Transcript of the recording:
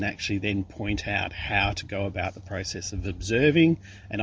bagaimana untuk mengalami proses penelitian